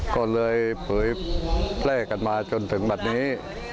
ก็เลยเผยแพร่กันมาจนถึงบัตรนี้